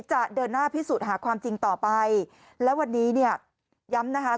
จะเดินหน้าพิสูจน์หาความจริงต่อไปและวันนี้เนี่ยย้ำนะคะ